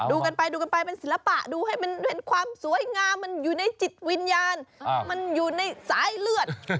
ดูกันไปดูกันไปเป็นศิลปะดูให้มันเห็นความสวยงามมันอยู่ในจิตวิญญาณมันอยู่ในสายเลือด